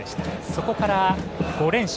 そこから５連勝。